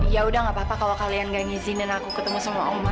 yaudah gak apa apa kalau kalian gak ngizinin aku ketemu sama oma